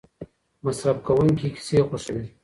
مصرف کوونکي کیسې خوښوي.